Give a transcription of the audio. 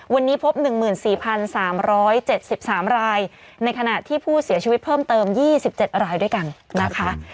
วันนี้พบหนึ่งหมื่นสี่พันสามร้อยเจ็ดสิบสามรายในขณะที่ผู้เสียชีวิตเพิ่มเติมยี่สิบเจ็ดรายด้วยกันนะคะ